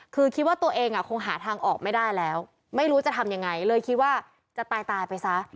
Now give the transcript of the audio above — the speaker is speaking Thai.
คือคิดว่าตัวเองคงหาทางออกไม่ได้แล้วไม่รู้จะทำยังไงเลยคิดว่าจะตายไปซะ